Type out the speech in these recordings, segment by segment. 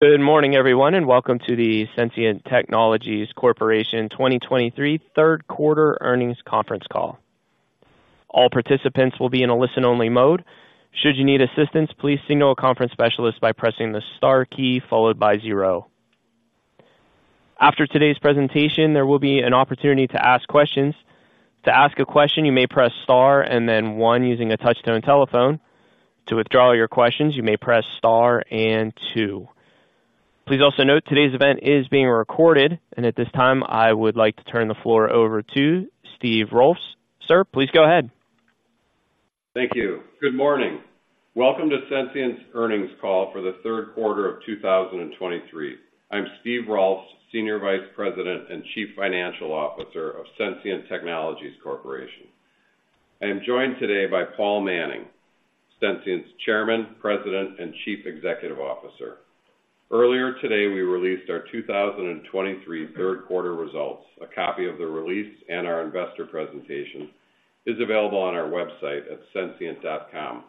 Good morning, everyone, and welcome to the Sensient Technologies Corporation 2023 Third Quarter Earnings Conference Call. All participants will be in a listen-only mode. Should you need assistance, please signal a conference specialist by pressing the star key followed by zero. After today's presentation, there will be an opportunity to ask questions. To ask a question, you may press star and then one using a touchtone telephone. To withdraw your questions, you may press star and two. Please also note, today's event is being recorded, and at this time, I would like to turn the floor over to Steve Rolfs. Sir, please go ahead. Thank you. Good morning. Welcome to Sensient's earnings call for the third quarter of 2023. I'm Steve Rolfs, Senior Vice President and Chief Financial Officer of Sensient Technologies Corporation. I am joined today by Paul Manning, Sensient's Chairman, President, and Chief Executive Officer. Earlier today, we released our 2023 third quarter results. A copy of the release and our investor presentation is available on our website at sensient.com.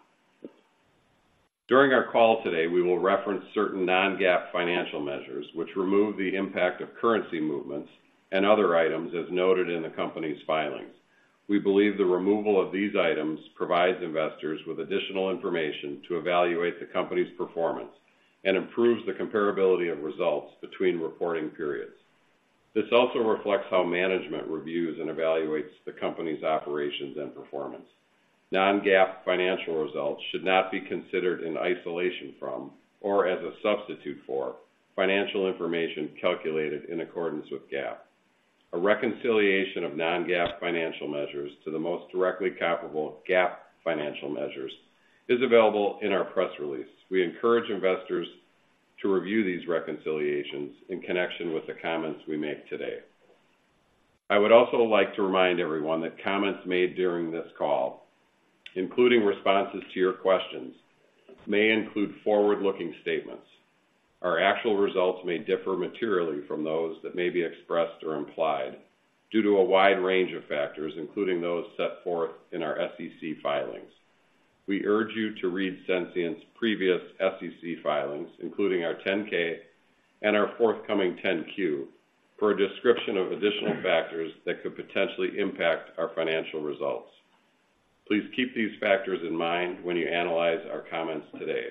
During our call today, we will reference certain non-GAAP financial measures, which remove the impact of currency movements and other items as noted in the company's filings. We believe the removal of these items provides investors with additional information to evaluate the company's performance and improves the comparability of results between reporting periods. This also reflects how management reviews and evaluates the company's operations and performance. Non-GAAP financial results should not be considered in isolation from or as a substitute for financial information calculated in accordance with GAAP. A reconciliation of non-GAAP financial measures to the most directly comparable GAAP financial measures is available in our press release. We encourage investors to review these reconciliations in connection with the comments we make today. I would also like to remind everyone that comments made during this call, including responses to your questions, may include forward-looking statements. Our actual results may differ materially from those that may be expressed or implied due to a wide range of factors, including those set forth in our SEC filings. We urge you to read Sensient's previous SEC filings, including our 10-K and our forthcoming 10-Q, for a description of additional factors that could potentially impact our financial results. Please keep these factors in mind when you analyze our comments today.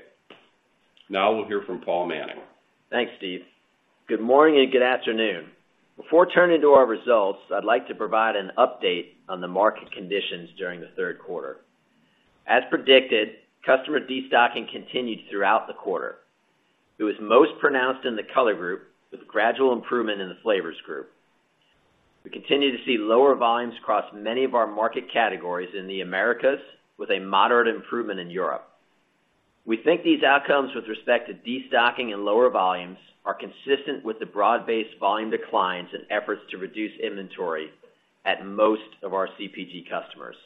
Now we'll hear from Paul Manning. Thanks, Steve. Good morning and good afternoon. Before turning to our results, I'd like to provide an update on the market conditions during the third quarter. As predicted, customer destocking continued throughout the quarter. It was most pronounced in the Color Group, with gradual improvement in the Flavors Group. We continue to see lower volumes across many of our market categories in the Americas, with a moderate improvement in Europe. We think these outcomes with respect to destocking and lower volumes are consistent with the broad-based volume declines and efforts to reduce inventory at most of our CPG customers.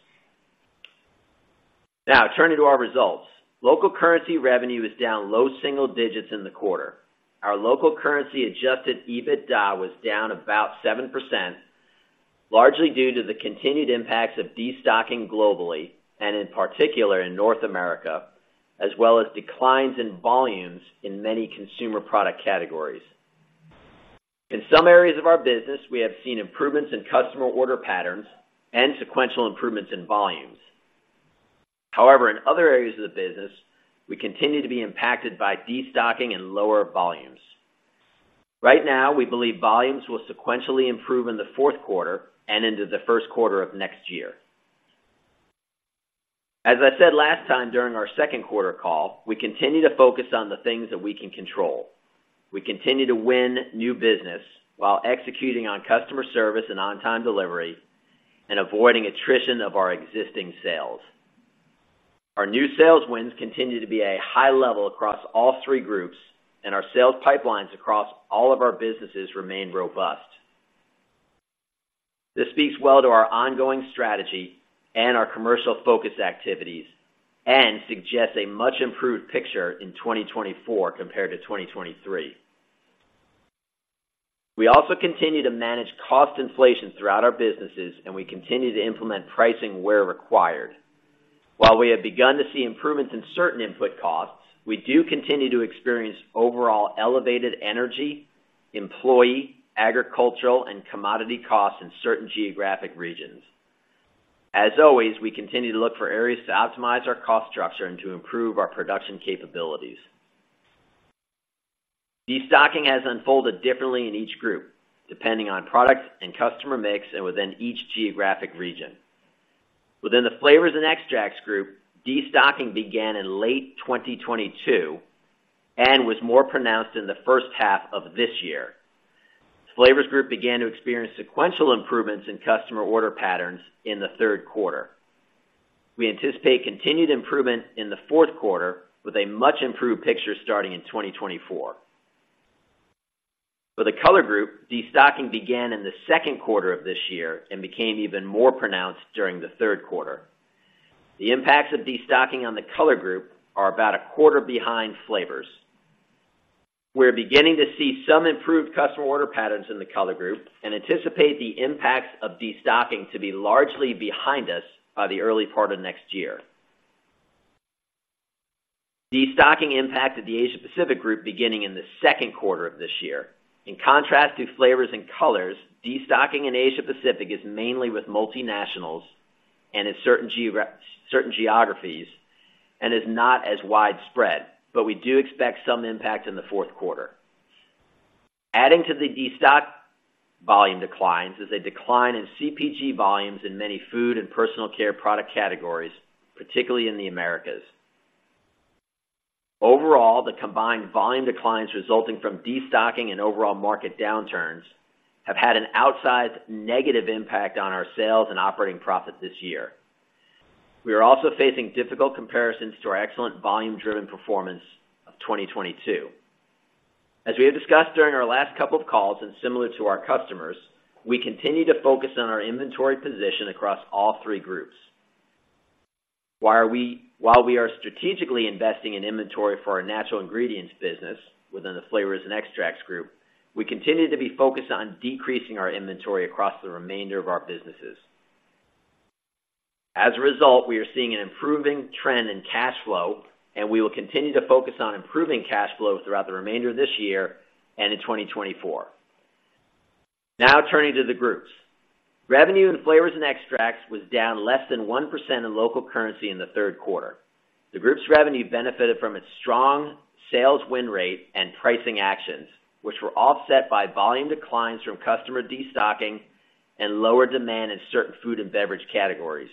Now, turning to our results. Local currency revenue is down low single digits in the quarter. Our local currency adjusted EBITDA was down about 7%, largely due to the continued impacts of destocking globally and in particular in North America, as well as declines in volumes in many consumer product categories. In some areas of our business, we have seen improvements in customer order patterns and sequential improvements in volumes. However, in other areas of the business, we continue to be impacted by destocking and lower volumes. Right now, we believe volumes will sequentially improve in the fourth quarter and into the first quarter of next year. As I said last time during our second quarter call, we continue to focus on the things that we can control. We continue to win new business while executing on customer service and on-time delivery and avoiding attrition of our existing sales. Our new sales wins continue to be at a high level across all three groups, and our sales pipelines across all of our businesses remain robust. This speaks well to our ongoing strategy and our commercial focus activities and suggests a much improved picture in 2024 compared to 2023. We also continue to manage cost inflation throughout our businesses, and we continue to implement pricing where required. While we have begun to see improvements in certain input costs, we do continue to experience overall elevated energy, employee, agricultural, and commodity costs in certain geographic regions. As always, we continue to look for areas to optimize our cost structure and to improve our production capabilities. Destocking has unfolded differently in each group, depending on product and customer mix and within each geographic region. Within the Flavors and Extracts Group, destocking began in late 2022 and was more pronounced in the first half of this year. Flavors Group began to experience sequential improvements in customer order patterns in the third quarter. We anticipate continued improvement in the fourth quarter, with a much improved picture starting in 2024. For the Color Group, destocking began in the second quarter of this year and became even more pronounced during the third quarter. The impacts of destocking on the Color Group are about a quarter behind Flavors. We're beginning to see some improved customer order patterns in the Color Group and anticipate the impacts of destocking to be largely behind us by the early part of next year. Destocking impacted the Asia Pacific Group beginning in the second quarter of this year. In contrast to Flavors and Colors, destocking in Asia Pacific is mainly with multinationals and in certain geographies, and is not as widespread, but we do expect some impact in the fourth quarter. Adding to the destock volume declines is a decline in CPG volumes in many Food and Personal Care product categories, particularly in the Americas. Overall, the combined volume declines resulting from destocking and overall market downturns have had an outsized negative impact on our sales and operating profit this year. We are also facing difficult comparisons to our excellent volume-driven performance of 2022. As we have discussed during our last couple of calls, and similar to our customers, we continue to focus on our inventory position across all three groups. While we are strategically investing in inventory for our natural ingredients business within the Flavors and Extracts Group, we continue to be focused on decreasing our inventory across the remainder of our businesses. As a result, we are seeing an improving trend in cash flow, and we will continue to focus on improving cash flow throughout the remainder of this year and in 2024. Now turning to the groups. Revenue in Flavors and Extracts was down less than 1% in local currency in the third quarter. The group's revenue benefited from its strong sales win rate and pricing actions, which were offset by volume declines from customer destocking and lower demand in certain Food and Beverage categories.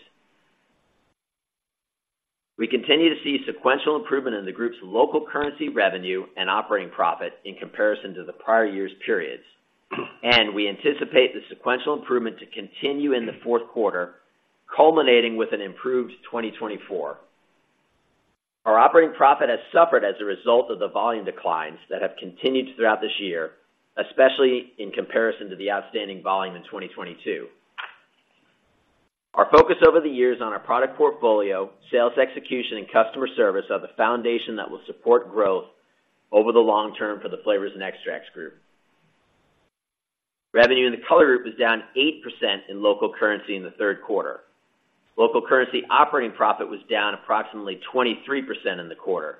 We continue to see sequential improvement in the group's local currency, revenue, and operating profit in comparison to the prior year's periods, and we anticipate the sequential improvement to continue in the fourth quarter, culminating with an improved 2024. Our operating profit has suffered as a result of the volume declines that have continued throughout this year, especially in comparison to the outstanding volume in 2022. Our focus over the years on our product portfolio, sales execution, and customer service are the foundation that will support growth over the long term for the Flavors and Extracts Group. Revenue in the Color Group was down 8% in local currency in the third quarter. Local currency operating profit was down approximately 23% in the quarter.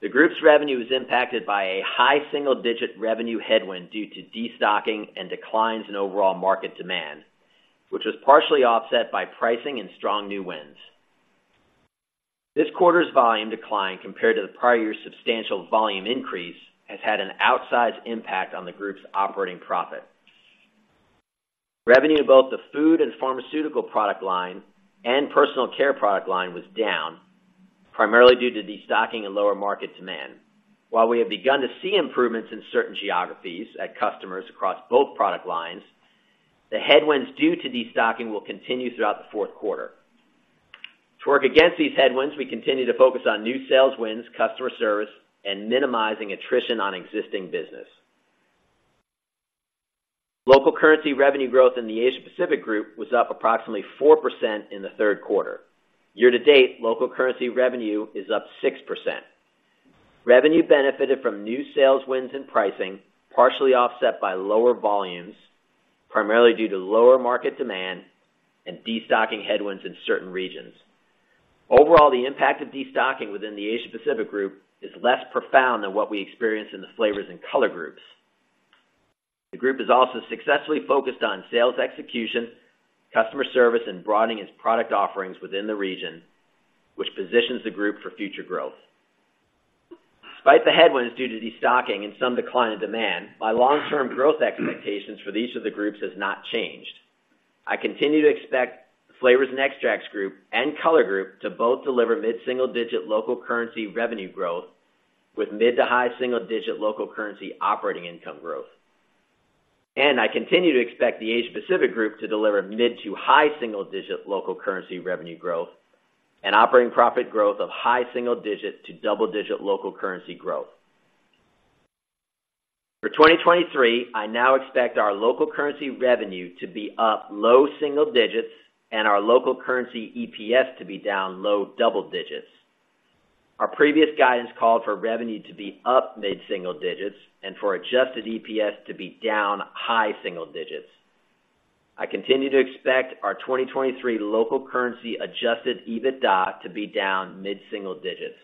The group's revenue was impacted by a high single-digit revenue headwind due to destocking and declines in overall market demand, which was partially offset by pricing and strong new wins. This quarter's volume decline, compared to the prior year's substantial volume increase, has had an outsized impact on the group's operating profit. Revenue in both the Food and Pharmaceutical product line and Personal Care product line was down, primarily due to destocking and lower market demand. While we have begun to see improvements in certain geographies at customers across both product lines, the headwinds due to destocking will continue throughout the fourth quarter. To work against these headwinds, we continue to focus on new sales wins, customer service, and minimizing attrition on existing business. Local currency revenue growth in the Asia Pacific Group was up approximately 4% in the third quarter. Year to date, local currency revenue is up 6%. Revenue benefited from new sales wins and pricing, partially offset by lower volumes, primarily due to lower market demand and destocking headwinds in certain regions. Overall, the impact of destocking within the Asia Pacific Group is less profound than what we experienced in the Flavors and Color Groups. The group is also successfully focused on sales execution, customer service, and broadening its product offerings within the region, which positions the group for future growth. Despite the headwinds due to destocking and some decline in demand, my long-term growth expectations for each of the groups has not changed. I continue to expect the Flavors and Extracts Group and Color Group to both deliver mid-single-digit local currency revenue growth with mid to high single digit local currency operating income growth. I continue to expect the Asia Pacific Group to deliver mid- to high-single-digit local currency revenue growth and operating profit growth of high-single-digit to double-digit local currency growth. For 2023, I now expect our local currency revenue to be up low-single-digits and our local currency EPS to be down low-double-digits. Our previous guidance called for revenue to be up mid-single-digits and for adjusted EPS to be down high-single-digits. I continue to expect our 2023 local currency adjusted EBITDA to be down mid-single-digits.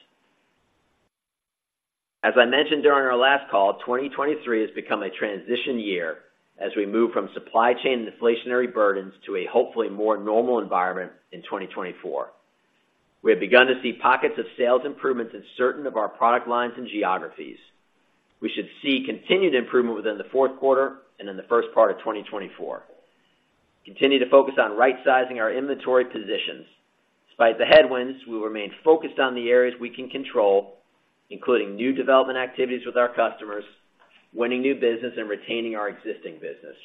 As I mentioned during our last call, 2023 has become a transition year as we move from supply chain and inflationary burdens to a hopefully more normal environment in 2024. We have begun to see pockets of sales improvements in certain of our product lines and geographies. We should see continued improvement within the fourth quarter and in the first part of 2024. Continue to focus on right-sizing our inventory positions. Despite the headwinds, we remain focused on the areas we can control, including new development activities with our customers, winning new business, and retaining our existing business.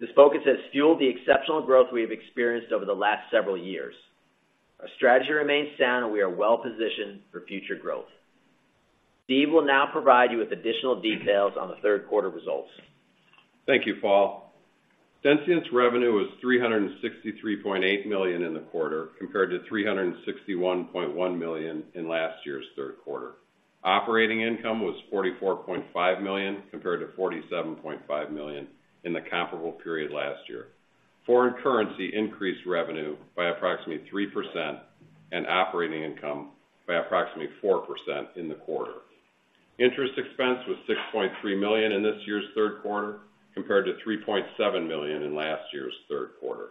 This focus has fueled the exceptional growth we have experienced over the last several years. Our strategy remains sound and we are well positioned for future growth. Steve will now provide you with additional details on the third quarter results. Thank you, Paul. Sensient's revenue was $363.8 million in the quarter, compared to $361.1 million in last year's third quarter. Operating income was $44.5 million, compared to $47.5 million in the comparable period last year. Foreign currency increased revenue by approximately 3% and operating income by approximately 4% in the quarter. Interest expense was $6.3 million in this year's third quarter, compared to $3.7 million in last year's third quarter.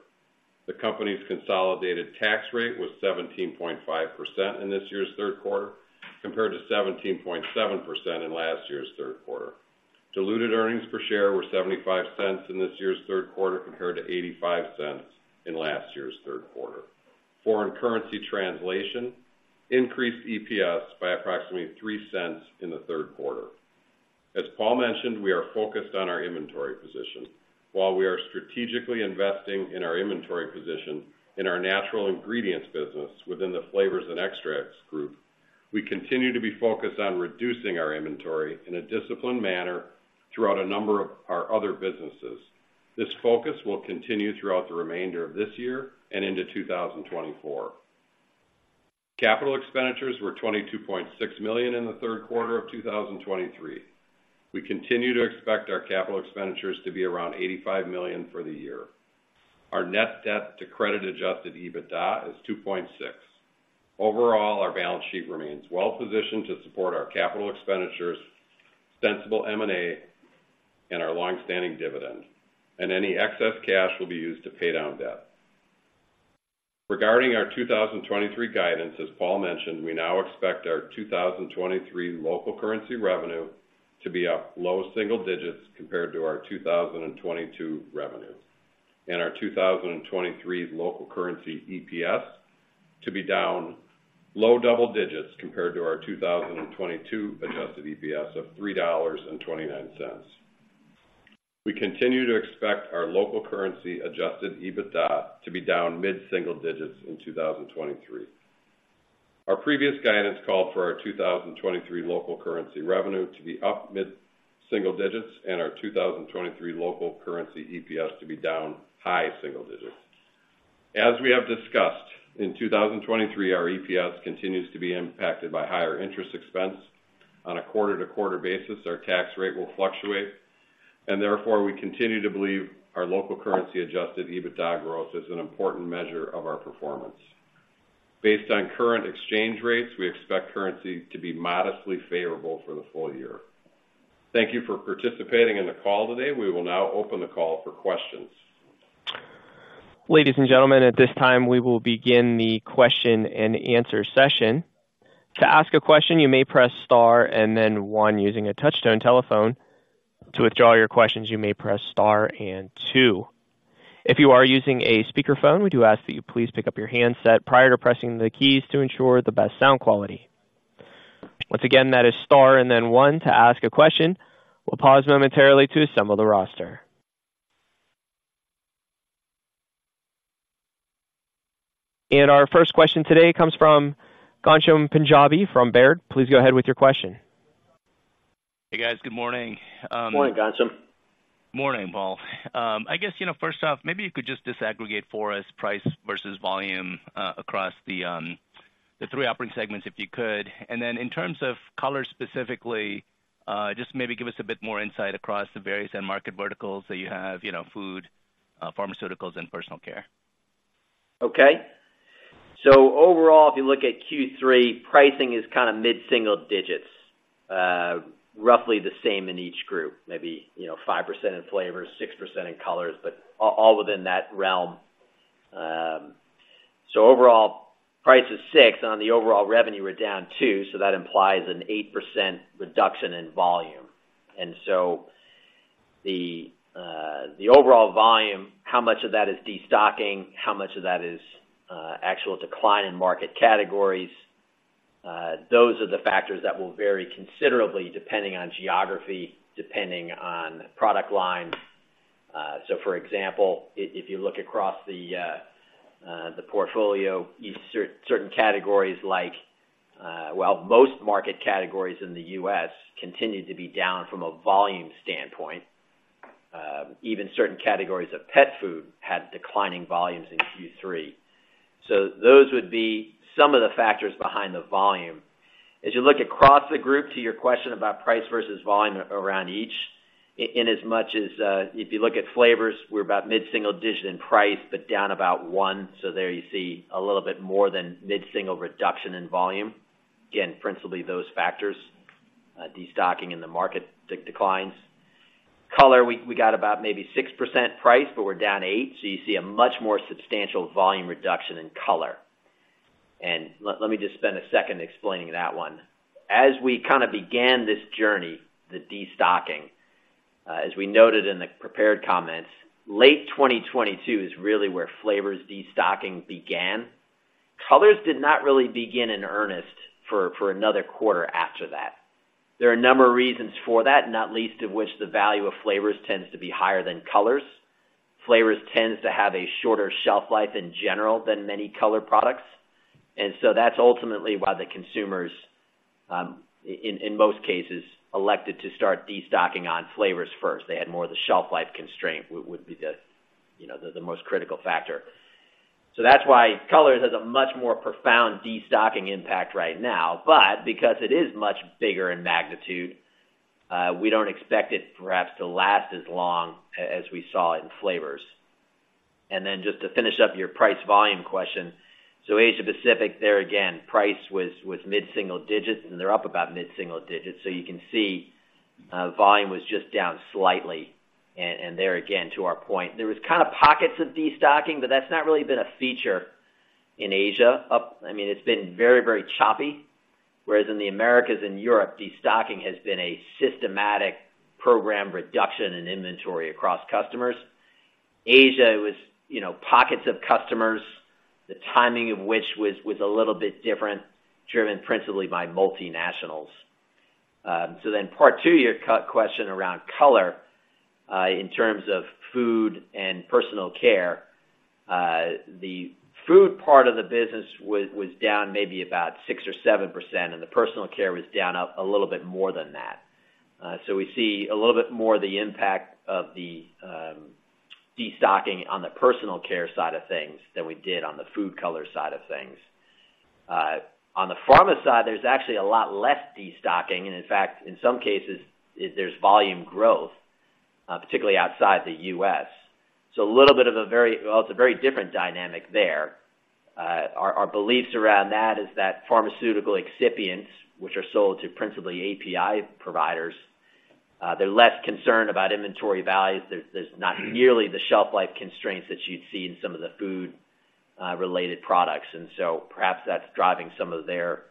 The company's consolidated tax rate was 17.5% in this year's third quarter, compared to 17.7% in last year's third quarter. Diluted earnings per share were $0.75 in this year's third quarter, compared to $0.85 in last year's third quarter. Foreign currency translation increased EPS by approximately $0.03 in the third quarter. As Paul mentioned, we are focused on our inventory position. While we are strategically investing in our inventory position in our natural ingredients business within the Flavors and Extracts group, we continue to be focused on reducing our inventory in a disciplined manner throughout a number of our other businesses. This focus will continue throughout the remainder of this year and into 2024. Capital expenditures were $22.6 million in the third quarter of 2023. We continue to expect our capital expenditures to be around $85 million for the year. Our Net Debt to Credit-Adjusted EBITDA is 2.6. Overall, our balance sheet remains well positioned to support our capital expenditures, sensible M&A, and our long-standing dividend, and any excess cash will be used to pay down debt. Regarding our 2023 guidance, as Paul mentioned, we now expect our 2023 local currency revenue to be up low single digits compared to our 2022 revenue, and our 2023 local currency EPS to be down low double digits compared to our 2022 adjusted EPS of $3.29. We continue to expect our local currency adjusted EBITDA to be down mid-single digits in 2023. Our previous guidance called for our 2023 local currency revenue to be up mid-single digits and our 2023 local currency EPS to be down high single digits. As we have discussed, in 2023, our EPS continues to be impacted by higher interest expense. On a quarter-to-quarter basis, our tax rate will fluctuate, and therefore, we continue to believe our local currency adjusted EBITDA growth is an important measure of our performance. Based on current exchange rates, we expect currency to be modestly favorable for the full year. Thank you for participating in the call today. We will now open the call for questions. Ladies and gentlemen, at this time, we will begin the question-and-answer session. To ask a question, you may press star and then one using a touchtone telephone. To withdraw your questions, you may press star and two. If you are using a speakerphone, we do ask that you please pick up your handset prior to pressing the keys to ensure the best sound quality. Once again, that is star and then one to ask a question. We'll pause momentarily to assemble the roster. Our first question today comes from Ghansham Panjabi from Baird. Please go ahead with your question. Hey, guys. Good morning. Morning, Ghansham. Morning, Paul. I guess, you know, first off, maybe you could just disaggregate for us price versus volume across the three operating segments, if you could. In terms of color, specifically, just maybe give us a bit more insight across the various end market verticals that you have, you know, Food, Pharmaceuticals, and Personal Care. Overall, if you look at Q3, pricing is kind of mid-single digits, roughly the same in each group, maybe, you know, 5% in Flavors, 6% in Colors, but all within that realm. Overall, price is six, and on the overall revenue, we're down two, so that implies an 8% reduction in volume. The overall volume, how much of that is destocking? How much of that is actual decline in market categories? Those are the factors that will vary considerably, depending on geography, depending on product lines. For example, if you look across the portfolio, each certain categories like... Well, most market categories in the U.S. continue to be down from a volume standpoint. Even certain categories of Pet Food had declining volumes in Q3. Those would be some of the factors behind the volume. As you look across the group, to your question about price versus volume around each, in as much as, if you look at Flavors, we're about mid-single-digit in price, but down about 1. There you see a little bit more than mid-single reduction in volume. Again, principally, those factors, destocking in the market declines. Color, we got about maybe 6% price, but we're down 8, so you see a much more substantial volume reduction in color. Let me just spend a second explaining that one. As we kind of began this journey, the destocking, as we noted in the prepared comments, late 2022 is really where Flavors destocking began. Colors did not really begin in earnest for another quarter after that. There are a number of reasons for that, not least of which, the value of Flavors tends to be higher than colors. Flavors tends to have a shorter shelf life in general than many color products, and so that's ultimately why the consumers, in most cases, elected to start destocking on Flavors first. They had more of the shelf life constraint, would be the, you know, the most critical factor. That's why Colors has a much more profound destocking impact right now. But because it is much bigger in magnitude, we don't expect it perhaps to last as long as we saw in Flavors. Then just to finish up your price volume question, Asia Pacific, there again, price was mid-single digits, and they're up about mid-single digits. You can see volume was just down slightly. There again, to our point, there was kind of pockets of destocking, but that's not really been a feature in Asia. I mean, it's been very, very choppy, whereas in the Americas and Europe, destocking has been a systematic program reduction in inventory across customers. Asia was, you know, pockets of customers, the timing of which was a little bit different, driven principally by multinationals. Part two of your question around Color in terms of Food and Personal Care, the Food part of the business was down maybe about 6% or 7%, and the Personal Care was down a little bit more than that. We see a little bit more of the impact of the destocking on the Personal Care side of things than we did on the Food Color side of things. On the Pharma side, there's actually a lot less destocking, and in fact, in some cases, there's volume growth, particularly outside the U.S. Well, it's a very different dynamic there. Our beliefs around that is that pharmaceutical excipients, which are sold to principally API providers, they're less concerned about inventory values. There's not nearly the shelf life constraints that you'd see in some of the food-related products, and so perhaps that's driving some of their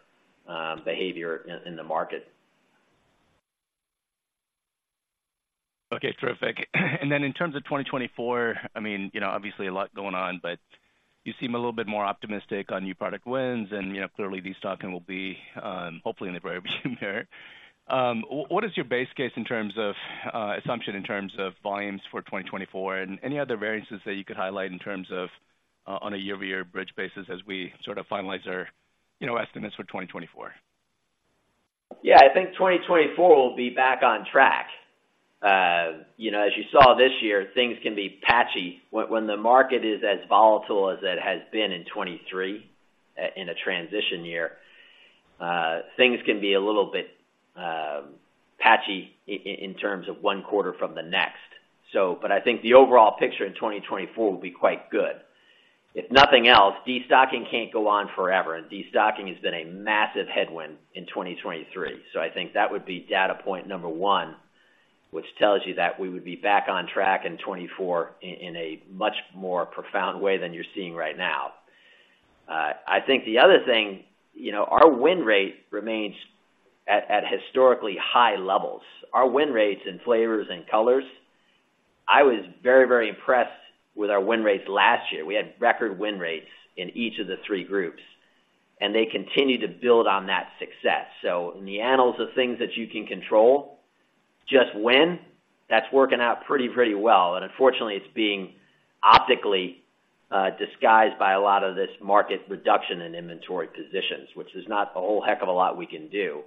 behavior in the market. Okay, terrific. In terms of 2024, I mean, you know, obviously, a lot going on, but you seem a little bit more optimistic on new product wins, and, you know, clearly, destocking will be, hopefully, in the very beginning there. What is your base case in terms of assumption in terms of volumes for 2024? Any other variances that you could highlight in terms of on a year-over-year bridge basis as we sort of finalize our, you know, estimates for 2024? Yeah, I think 2024 will be back on track. You know, as you saw this year, things can be patchy. When the market is as volatile as it has been in 2023 in a transition year, things can be a little bit patchy in terms of one quarter from the next. I think the overall picture in 2024 will be quite good. If nothing else, destocking can't go on forever, and destocking has been a massive headwind in 2023. I think that would be data point number one, which tells you that we would be back on track in 2024 in a much more profound way than you're seeing right now. I think the other thing, you know, our win rate remains at historically high levels. Our win rates in Flavors and Colors, I was very, very impressed with our win rates last year. We had record win rates in each of the three groups, and they continue to build on that success. In the annals of things that you can control, just win, that's working out pretty, pretty well. Unfortunately, it's being optically disguised by a lot of this market reduction in inventory positions, which is not a whole heck of a lot we can do.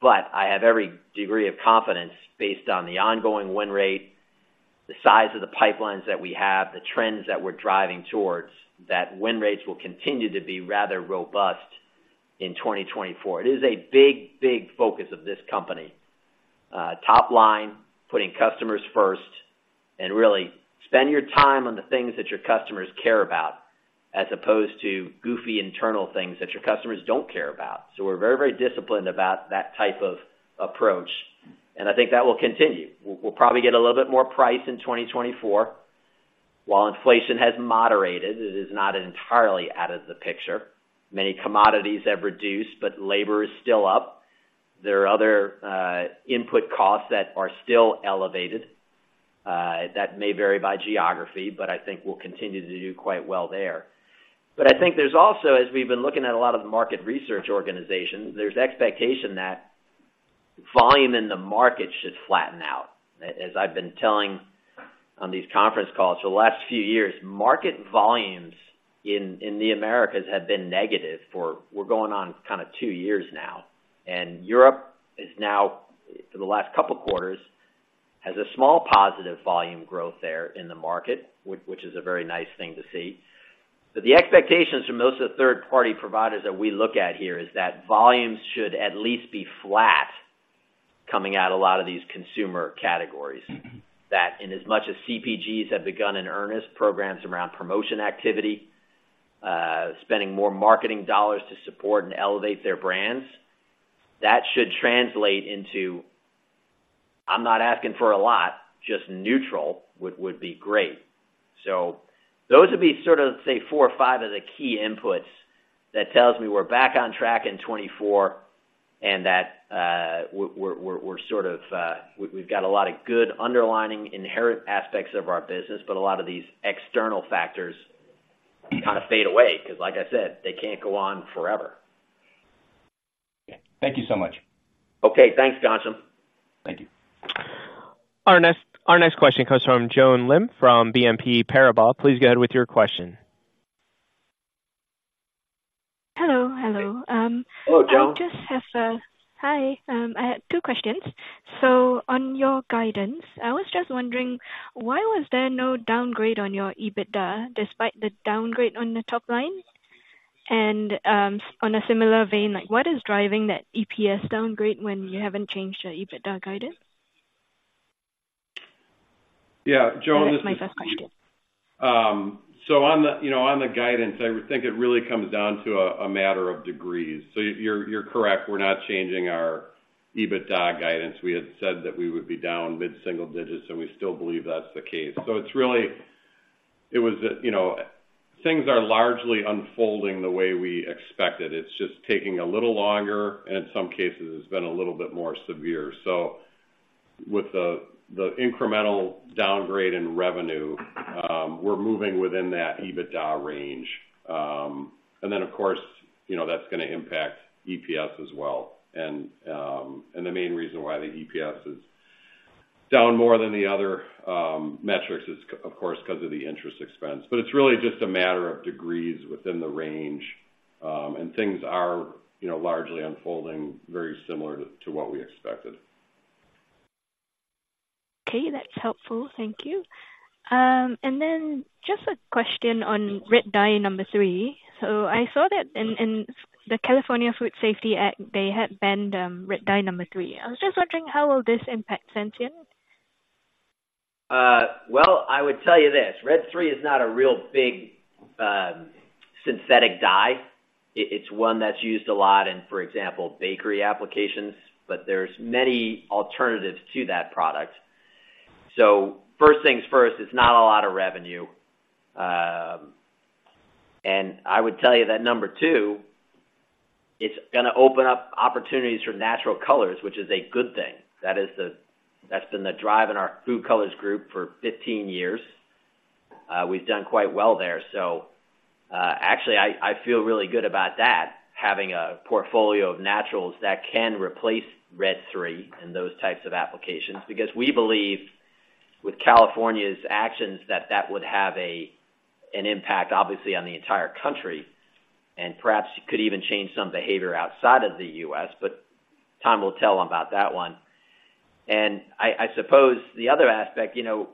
I have every degree of confidence based on the ongoing win rate, the size of the pipelines that we have, the trends that we're driving towards, that win rates will continue to be rather robust in 2024. It is a big, big focus of this company. Top line, putting customers first, and really spend your time on the things that your customers care about, as opposed to goofy internal things that your customers don't care about. We're very, very disciplined about that type of approach, and I think that will continue. We'll probably get a little bit more price in 2024. While inflation has moderated, it is not entirely out of the picture. Many commodities have reduced, but labor is still up. There are other input costs that are still elevated that may vary by geography, but I think we'll continue to do quite well there. I think there's also, as we've been looking at a lot of the market research organizations, there's expectation that volume in the market should flatten out. As I've been telling on these conference calls for the last few years, market volumes in the Americas have been negative for, we're going on kind of two years now, and Europe is now, for the last couple of quarters, has a small positive volume growth there in the market, which is a very nice thing to see. The expectations from most of the third-party providers that we look at here is that volumes should at least be flat coming out a lot of these consumer categories. Mm-hmm. That inasmuch as CPGs have begun in earnest programs around promotion activity, spending more marketing dollars to support and elevate their brands, that should translate into, "I'm not asking for a lot," just neutral would be great. Those would be sort of, say, four or five of the key inputs that tells me we're back on track in 2024, and that we're sort of, we've got a lot of good underlying, inherent aspects of our business, but a lot of these external factors kind of fade away, because like I said, they can't go on forever. Thank you so much. Okay. Thanks, Ghansham. Thank you. Our next question comes from Joan Lim from BNP Paribas. Please go ahead with your question. Hello, hello. Hello, Joan. Hi, I had two questions. On your guidance, I was just wondering, why was there no downgrade on your EBITDA, despite the downgrade on the top line? On a similar vein, like, what is driving that EPS downgrade when you haven't changed your EBITDA guidance? Yeah, Joan, this is. That's my first question. So, you know, on the guidance, I think it really comes down to a matter of degrees. You're correct, we're not changing our EBITDA guidance. We had said that we would be down mid-single digits, and we still believe that's the case. You know, things are largely unfolding the way we expected. It's just taking a little longer, and in some cases, it's been a little bit more severe. With the incremental downgrade in revenue, we're moving within that EBITDA range. Then, of course, you know, that's gonna impact EPS as well. The main reason why the EPS is down more than the other metrics is, of course, because of the interest expense. It's really just a matter of degrees within the range, and things are, you know, largely unfolding very similar to what we expected. Okay, that's helpful. Thank you. Just a question on Red Dye No. 3. I saw that in the California Food Safety Act, they had banned Red Dye No. 3. I was just wondering, how will this impact Sensient? Well, I would tell you this, Red 3 is not a real big synthetic dye. It's one that's used a lot in, for example, bakery applications, but there's many alternatives to that product. First things first, it's not a lot of revenue. And I would tell you that number 2, it's gonna open up opportunities for Natural Colors, which is a good thing. That's been the drive in our Food Colors group for 15 years. We've done quite well there. Actually, I feel really good about that, having a portfolio of naturals that can replace Red 3 in those types of applications, because we believe with California's actions, that that would have an impact, obviously, on the entire country, and perhaps could even change some behavior outside of the U.S., but time will tell about that one. I suppose the other aspect, you know,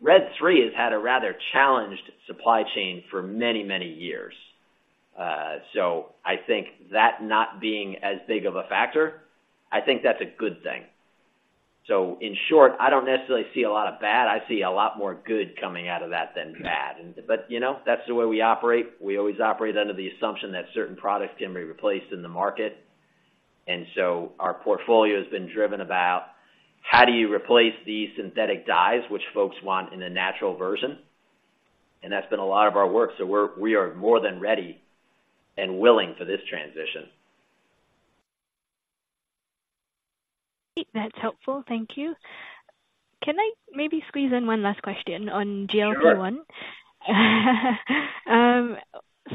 Red 3 has had a rather challenged supply chain for many, many years. I think that not being as big of a factor, I think that's a good thing. In short, I don't necessarily see a lot of bad. I see a lot more good coming out of that than bad. You know, that's the way we operate. We always operate under the assumption that certain products can be replaced in the market. Our portfolio has been driven about how do you replace these synthetic dyes, which folks want in a natural version, and that's been a lot of our work, so we are more than ready and willing for this transition. That's helpful. Thank you. Can I maybe squeeze in one last question on GLP-1?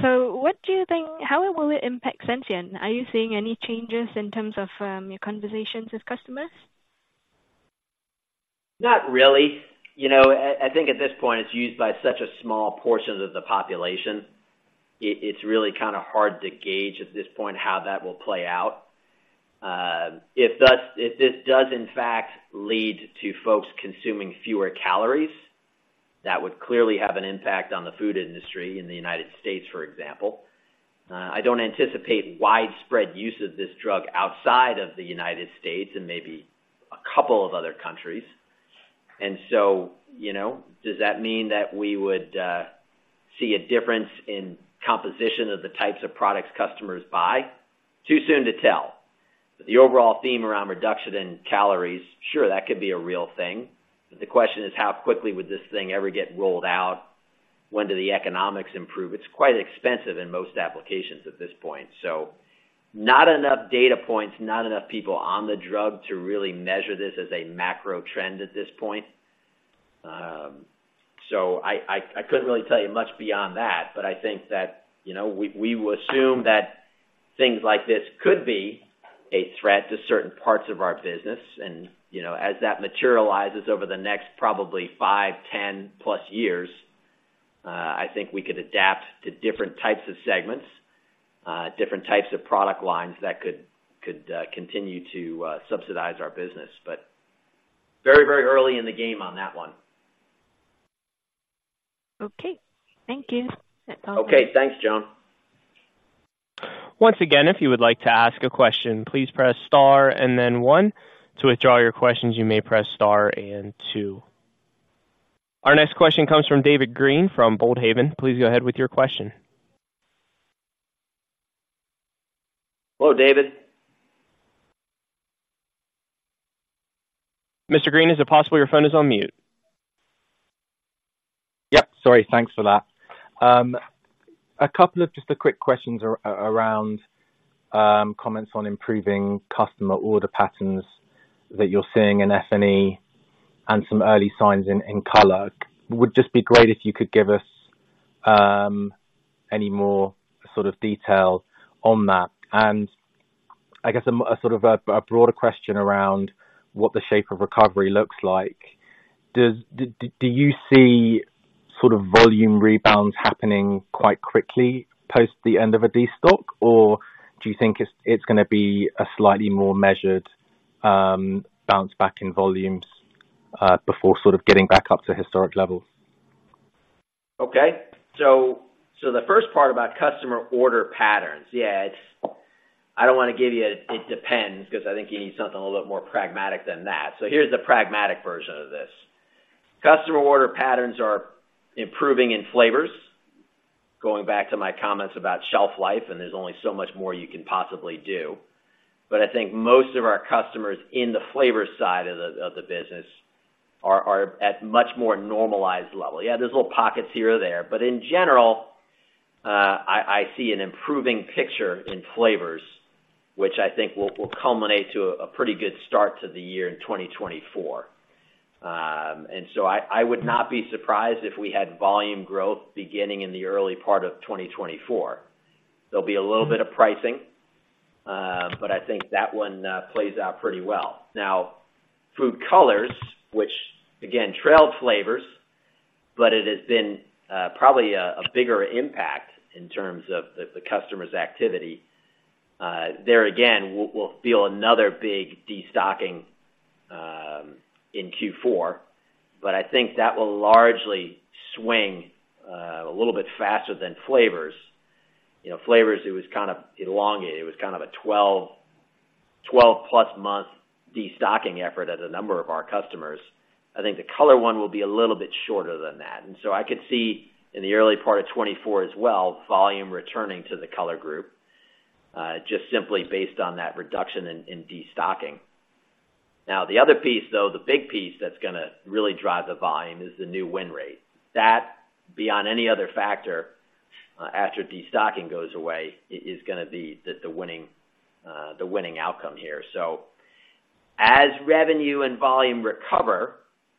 Sure. What do you think? How will it impact Sensient? Are you seeing any changes in terms of your conversations with customers? Not really. You know, I think at this point, it's used by such a small portion of the population. It's really kind of hard to gauge at this point how that will play out. If this does, in fact, lead to folks consuming fewer calories, that would clearly have an impact on the food industry in the United States, for example. I don't anticipate widespread use of this drug outside of the United States and maybe a couple of other countries. You know, does that mean that we would see a difference in composition of the types of products customers buy? Too soon to tell. The overall theme around reduction in calories, sure, that could be a real thing. The question is, how quickly would this thing ever get rolled out? When do the economics improve? It's quite expensive in most applications at this point. Not enough data points, not enough people on the drug to really measure this as a macro trend at this point. I couldn't really tell you much beyond that, but I think that, you know, we will assume that things like this could be a threat to certain parts of our business. You know, as that materializes over the next probably five, 10+ years, I think we could adapt to different types of segments, different types of product lines that could continue to subsidize our business. Very, very early in the game on that one. Okay. Thank you. Okay, thanks, Joan. Once again, if you would like to ask a question, please press star and then one. To withdraw your questions, you may press star and two. Our next question comes from David Green, from Boldhaven. Please go ahead with your question. Hello, David. Mr. Green, is it possible your phone is on mute? Yep, sorry. Thanks for that. A couple of just quick questions around comments on improving customer order patterns that you're seeing in F&E and some early signs in color. Would just be great if you could give us any more sort of detail on that. I guess a sort of a broader question around what the shape of recovery looks like. Do you see sort of volume rebounds happening quite quickly post the end of a destock? Do you think it's gonna be a slightly more measured bounce back in volumes before sort of getting back up to historic levels? The first part about customer order patterns. Yeah, I don't wanna give you a "it depends," 'cause I think you need something a little bit more pragmatic than that. Here's the pragmatic version of this: Customer order patterns are improving in Flavors, going back to my comments about shelf life, and there's only so much more you can possibly do. I think most of our customers in the flavor side of the business are at much more normalized level. Yeah, there's little pockets here or there, but in general, I see an improving picture in Flavors, which I think will culminate to a pretty good start to the year in 2024. I would not be surprised if we had volume growth beginning in the early part of 2024. There'll be a little bit of pricing, but I think that one plays out pretty well. Now, Food Colors, which again, trailed Flavors, but it has been probably a bigger impact in terms of the customer's activity. There again, we'll feel another big destocking in Q4, but I think that will largely swing a little bit faster than Flavors. You know, Flavors, it was kind of elongated. It was kind of a 12+ month destocking effort at a number of our customers. I think the color one will be a little bit shorter than that. I could see in the early part of 2024 as well, volume returning to the Color Group, just simply based on that reduction in destocking. Now, the other piece, though, the big piece that's gonna really drive the volume is the new win rate. That, beyond any other factor, after destocking goes away, is gonna be the winning outcome here. As revenue and volume recover,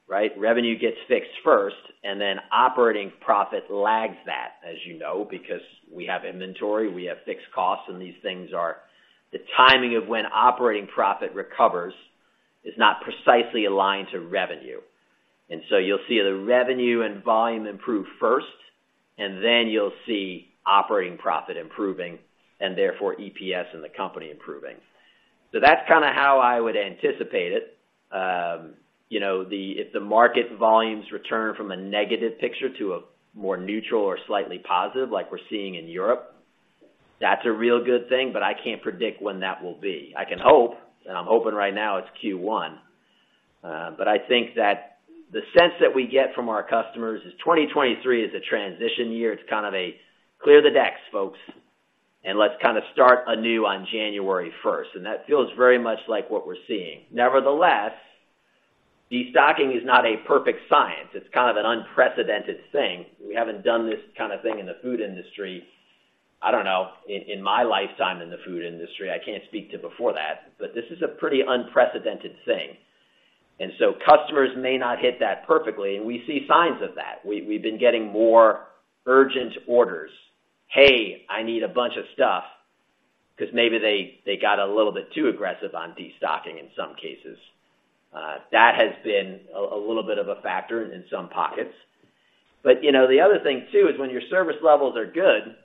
right? Revenue gets fixed first, and then operating profit lags that, as you know, because we have inventory, we have fixed costs. The timing of when operating profit recovers is not precisely aligned to revenue. You'll see the revenue and volume improve first, and then you'll see operating profit improving, and therefore EPS and the company improving. That's kind of how I would anticipate it. You know, if the market volumes return from a negative picture to a more neutral or slightly positive, like we're seeing in Europe, that's a real good thing, but I can't predict when that will be. I can hope, and I'm hoping right now it's Q1. I think that the sense that we get from our customers is 2023 is a transition year. It's kind of a, "Clear the decks, folks, and let's kind of start anew on January 1st." That feels very much like what we're seeing. Nevertheless, destocking is not a perfect science. It's kind of an unprecedented thing. We haven't done this kind of thing in the food industry, I don't know, in my lifetime in the food industry. I can't speak to before that. This is a pretty unprecedented thing, and so customers may not hit that perfectly, and we see signs of that. We've been getting more urgent orders. "Hey, I need a bunch of stuff," 'cause maybe they got a little bit too aggressive on destocking in some cases. That has been a little bit of a factor in some pockets. You know, the other thing, too, is when your service levels are good,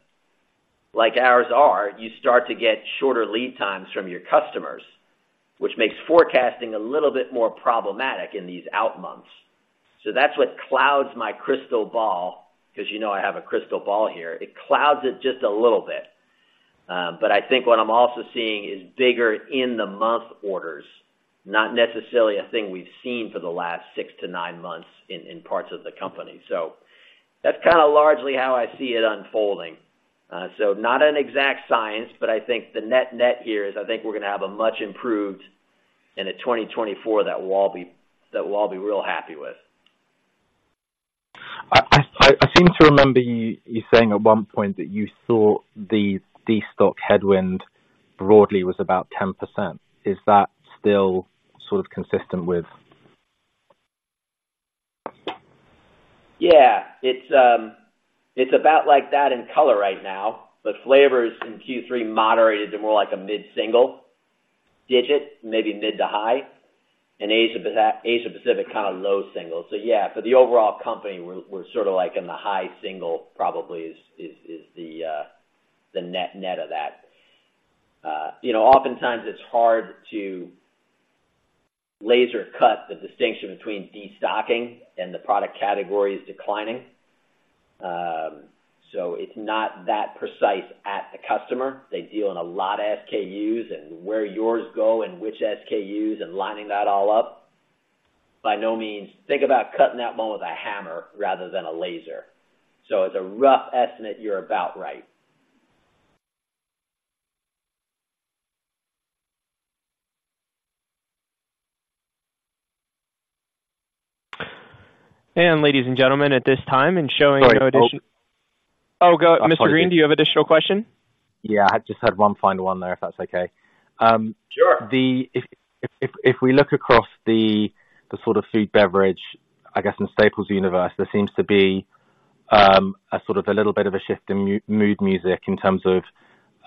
like ours are, you start to get shorter lead times from your customers, which makes forecasting a little bit more problematic in these out months. That's what clouds my crystal ball, 'cause you know I have a crystal ball here. It clouds it just a little bit. I think what I'm also seeing is bigger in-the-month orders, not necessarily a thing we've seen for the last six to nine months in parts of the company. That's kind of largely how I see it unfolding. Not an exact science, but I think the net-net here is, I think we're gonna have a much improved and a 2024 that we'll all be real happy with. I seem to remember you saying at one point that you thought the destock headwind broadly was about 10%. Is that still sort of consistent with? Yeah. It's about like that in color right now, but Flavors in Q3 moderated to more like a mid-single-digit, maybe mid-to-high, and Asia Pacific, kind of low-single. Yeah, for the overall company, we're sort of like in the high-single, probably is the net-net of that. You know, oftentimes it's hard to laser-cut the distinction between destocking and the product categories declining. It's not that precise at the customer. They deal in a lot of SKUs and where yours go and which SKUs and lining that all up, by no means... Think about cutting that bone with a hammer rather than a laser. As a rough estimate, you're about right. Ladies and gentlemen, at this time, and showing no additional. Sorry, oh. Oh, Mr. Green, do you have additional question? Yeah, I just had one final one there, if that's okay. Sure. If we look across the sort of Food, Beverage, I guess, in staples universe, there seems to be a sort of a little bit of a shift in mood music in terms of,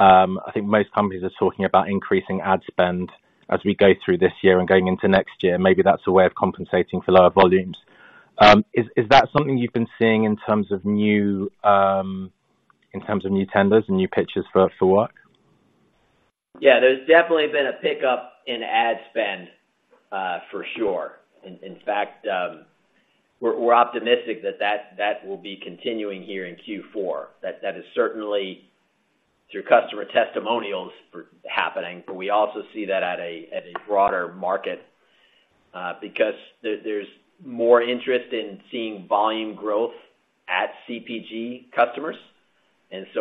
I think most companies are talking about increasing ad spend as we go through this year and going into next year. Maybe that's a way of compensating for lower volumes. Is that something you've been seeing in terms of new, in terms of new tenders and new pitches for work? Yeah, there's definitely been a pickup in ad spend, for sure. In fact, we're optimistic that that will be continuing here in Q4. That is certainly, through customer testimonials, happening, but we also see that at a broader market because there's more interest in seeing volume growth at CPG customers.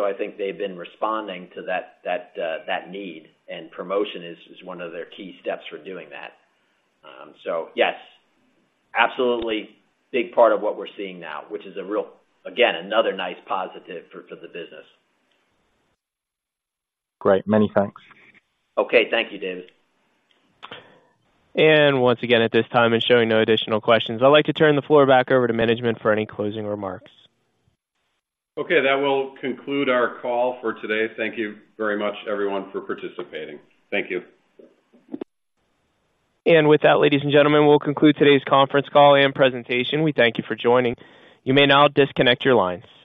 I think they've been responding to that need, and promotion is one of their key steps for doing that. Yes, absolutely big part of what we're seeing now, which is a real... Again, another nice positive for the business. Great, many thanks. Okay. Thank you, David. Once again, at this time, and showing no additional questions, I'd like to turn the floor back over to management for any closing remarks. Okay. That will conclude our call for today. Thank you very much, everyone, for participating. Thank you. With that, ladies and gentlemen, we'll conclude today's conference call and presentation. We thank you for joining. You may now disconnect your lines.